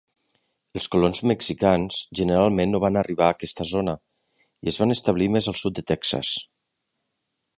Els colons mexicans generalment no van arribar a aquesta zona, i es van establir més al sud de Texas.